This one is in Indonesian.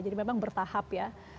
jadi memang bertahap ya